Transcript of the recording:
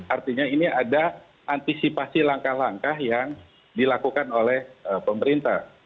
artinya ini ada antisipasi langkah langkah yang dilakukan oleh pemerintah